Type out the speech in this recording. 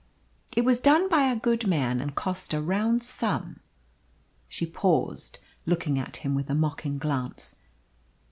"It was done by a good man and cost a round sum." She paused, looking at him with a mocking glance.